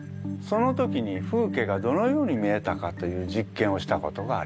その時に風景がどのように見えたかという実験をしたことがあります。